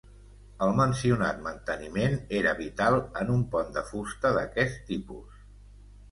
El mencionat manteniment era vital en un pont de fusta d'aquest tipus.